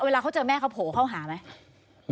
เวลาเขาเจอแม่เขาโผล่เข้าหาไหม